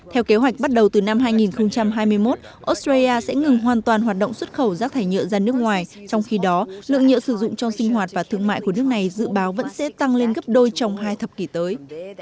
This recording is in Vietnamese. theo kế hoạch bắt đầu từ năm hai nghìn hai mươi một australia sẽ ngừng hoàn toàn hoạt động xuất khẩu rác thải nhựa ra nước ngoài trong khi đó lượng nhựa sử dụng trong sinh hoạt và thương mại của nước này dự báo vẫn sẽ tăng lên gấp đôi trong hai thập kỷ tới